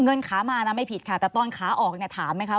เงินขามานะไม่ผิดค่ะแต่ตอนขาออกเนี่ยถามไหมคะ